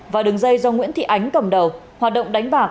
và đường dây do nguyễn thị ánh cầm đầu hoạt động đánh bạc